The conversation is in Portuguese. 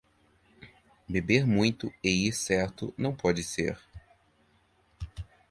Beber muito e ir certo não pode ser.